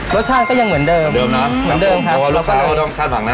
รสชาติก็ยังเหมือนเดิมเดิมนะเดิมครับเพราะว่าลูกค้าก็ต้องคาดฝั่งนะ